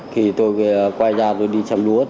khi tôi quay ra đi xem lúa